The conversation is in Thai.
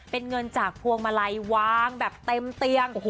เป็นเงินจากพวงมาลัยวางแบบเต็มเตียง